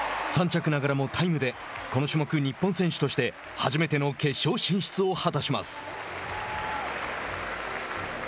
３着ながらもタイムでこの種目日本選手として初めての決勝進出を果たします。